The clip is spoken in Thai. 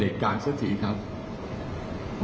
เราเลิกกู้เรื่องประเด็นการสักสีครับ